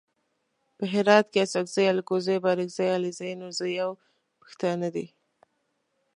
په هرات کې اڅګزي الکوزي بارګزي علیزي نورزي او پښتانه دي.